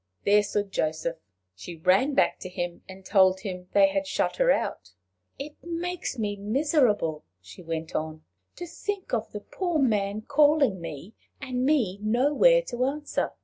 There stood Joseph! She ran back to him, and told him they had shut her out. "It makes me miserable," she went on, "to think of the poor man calling me, and me nowhere to answer.